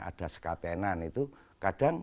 ada sekatenan itu kadang